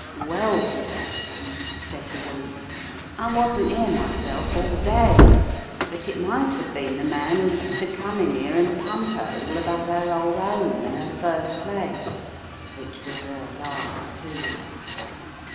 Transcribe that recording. " "Well, sir," said the woman, "I wasn't 'ere myself all day, but it might have been the man who used to come in 'ere and pump 'er all about 'er old 'ome and 'er first place — which was 'er last, too.